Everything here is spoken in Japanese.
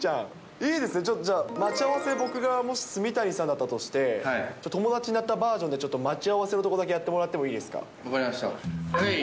いいですね、ちょっとじゃあ、待ち合わせ、僕がもし炭谷さんだったとして、友達になったバージョンでちょっと待ち合わせのとこだけやっても分かりました。